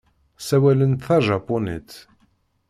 Ssawalent tajapunit.